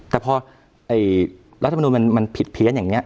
แต่พอรัฐมนุนมันผิดเพี้ยนอย่างนี้